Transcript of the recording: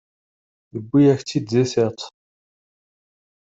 Yewwi-yak-tt-id di tiṭ.